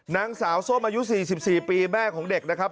นางสาวส้มอายุ๔๔ปีแม่ของเด็กนะครับ